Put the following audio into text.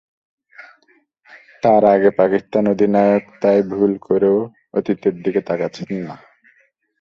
তার আগে পাকিস্তান অধিনায়ক তাই ভুল করেও অতীতের দিকে তাকাচ্ছেন না।